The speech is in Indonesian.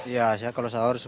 iya saya kalau sahur